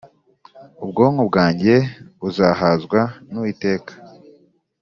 ubwoko bwanjye buzahazwa n’Uwiteka